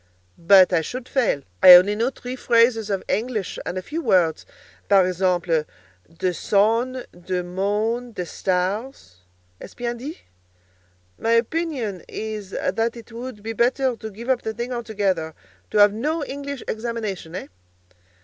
"But I should fail. I only know three phrases of English, and a few words: par exemple, de sonn, de mone, de stares—est ce bien dit? My opinion is that it would be better to give up the thing altogether: to have no English examination, eh?"